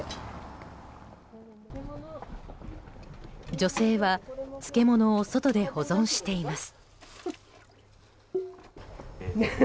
女性は漬物を外で保存しています。